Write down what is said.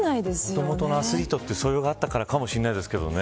もともと焦りという素養があったからかもしれないですけどね。